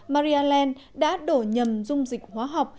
maria len đã đổ nhầm dung dịch hóa học